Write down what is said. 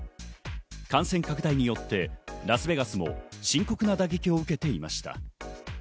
感染拡大によってラスベガスも深刻な打撃を受けていました。